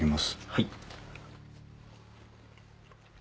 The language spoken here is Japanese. はい。